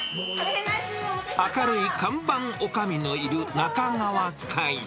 あかるい看板おかみのいる中川會。